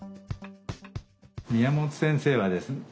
宮本先生はですね